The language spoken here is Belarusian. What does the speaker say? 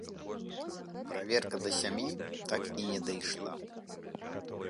Праверка да сям'і так і не дайшла.